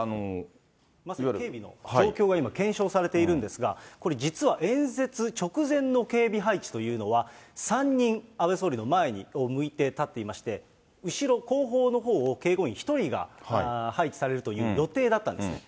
警備の状況が検証されているんですが、これ実は演説直前の警備配置というのは、３人、安倍総理の前を向いて立っていまして、後ろ、後方のほうを警護員１人が配置されるという予定だったんですね。